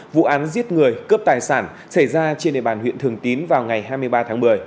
vụ án giết người cướp tài sản xảy ra trên địa bàn huyện thường tín vào ngày hai mươi ba tháng một mươi